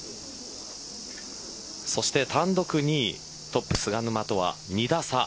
そして単独２位トップ菅沼とは２打差。